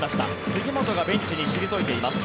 杉本がベンチに退いています。